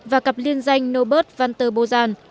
và cặp liên danh norbert van der bosan